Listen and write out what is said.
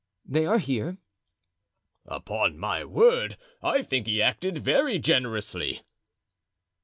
"They are here." "Upon my word, I think he acted very generously."